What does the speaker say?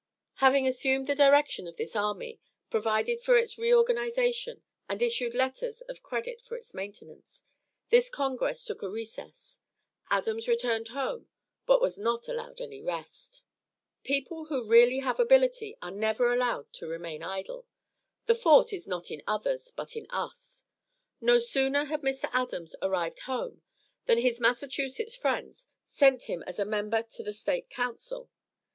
Having assumed the direction of this army, provided for its reorganization, and issued letters of credit for its maintenance, this congress took a recess. Adams returned home, but was not allowed any rest. People who really have ability are never allowed to remain idle; the fault is not in others, but in us. No sooner had Mr. Adams arrived home than his Massachusetts friends sent him as a member to the State council.